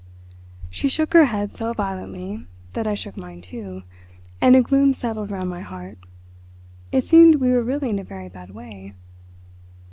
She shook her head so violently that I shook mine too, and a gloom settled round my heart. It seemed we were really in a very bad way.